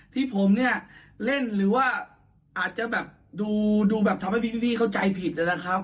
ที่ผมเนี่ยเล่นหรือว่าอาจจะแบบดูแบบทำให้พี่เข้าใจผิดนะครับ